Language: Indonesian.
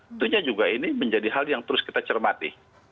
tentunya juga ini menjadi hal yang terus kita cermati